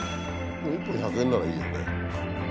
１本１００円ならいいよね。